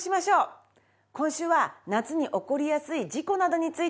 今週は夏に起こりやすい事故などについて紹介します。